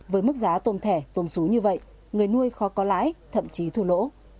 với mức giá tôm thẻ tôm sú như vậy người nuôi khó có lãi thậm chí thua lỗ